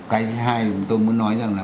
cái thứ hai tôi muốn nói là